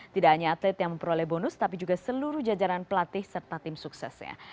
tidak hanya atlet yang memperoleh bonus tapi juga seluruh jajaran pelatih serta tim suksesnya